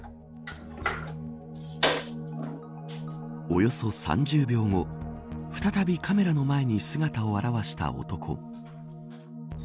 およそ３０秒後再びカメラの前に姿を現した男。